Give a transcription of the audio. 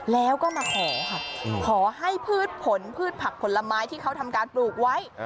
แล้วก็มาขอค่ะขอให้พืชผลพืชผักผลไม้ที่เขาทำการปลูกไว้